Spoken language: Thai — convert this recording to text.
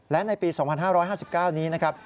และในปี๒๕๕๙นี้นะครับ